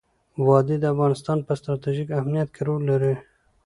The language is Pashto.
وادي د افغانستان په ستراتیژیک اهمیت کې رول لري.